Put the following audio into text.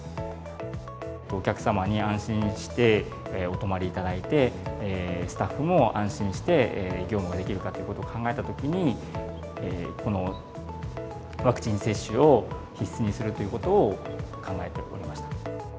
お客様に安心してお泊まりいただいて、スタッフも安心して業務ができるかということを考えたときに、このワクチン接種を必須にするということを考えておりました。